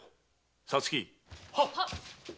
皐月。